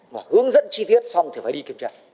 mà hướng dẫn chi tiết xong thì phải đi kiểm tra